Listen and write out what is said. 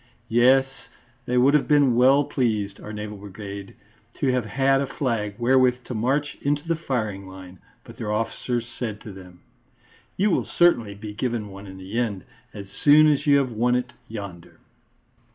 Yes, they would have been well pleased, our Naval Brigade, to have had a flag wherewith to march into the firing line, but their officers said to them: "You will certainly be given one in the end, as soon as you have won it yonder."